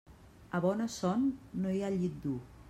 A bona son no hi ha llit dur.